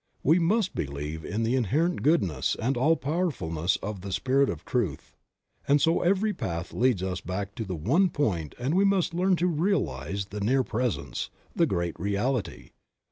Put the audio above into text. We must believe in the inherent goodness and all powerf ul ness of the Spirit of Truth. And so every path leads us back to the one point and we must learn to realize the near presence, the great reality.